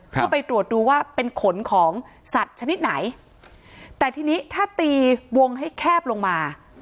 เพื่อไปตรวจดูว่าเป็นขนของสัตว์ชนิดไหนแต่ทีนี้ถ้าตีวงให้แคบลงมา